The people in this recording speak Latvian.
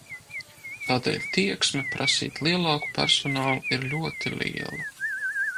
Tādēļ tieksme prasīt lielāku personālu ir ļoti liela.